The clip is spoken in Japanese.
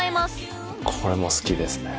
これも好きですね。